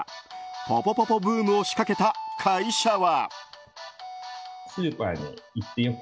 ポポポポブームを仕掛けた会社は。